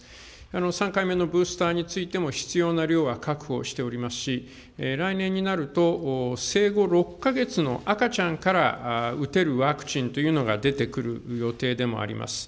３回目のブースターについても、必要な量は確保しておりますし、来年になると、生後６か月の赤ちゃんから打てるワクチンというのが出てくる予定でもあります。